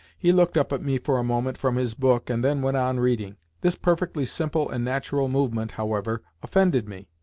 He looked up at me for a moment from his book, and then went on reading. This perfectly simple and natural movement, however, offended me.